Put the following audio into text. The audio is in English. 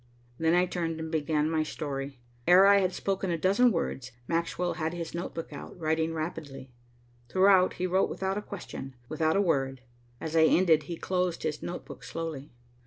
Then I turned, and began my story. Ere I had spoken a dozen words, Maxwell had his note book out, writing rapidly. Throughout, he wrote without a question, without a word. As I ended, he closed his note book slowly.